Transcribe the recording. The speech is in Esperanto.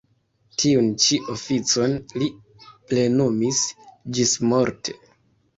Tiun ĉi oficon li plenumis ĝismorte.